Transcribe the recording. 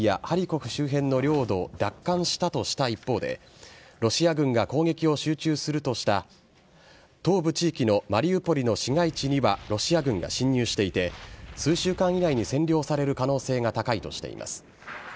ハリコフ周辺の領土を奪還したとした一方で、ロシア軍が攻撃を集中するとした、東部地域のマリウポリの市街地にはロシア軍が侵入していて、数週間以内に占領される可能性が高いとしています。